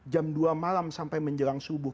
jam dua malam sampai menjelang subuh